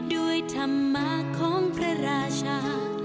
ด้วยธรรมะของพระราชา